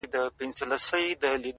د طلا او جواهرو له شامته -